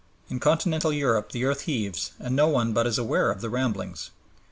In continental Europe the earth heaves and no one but is aware of the rumblings.